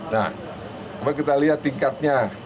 nah mari kita lihat tingkatnya